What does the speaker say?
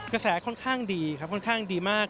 กระแสค่อนข้างดีครับค่อนข้างดีมาก